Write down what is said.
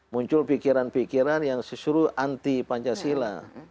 muncul pikiran pikiran yang sesuruh anti pancasila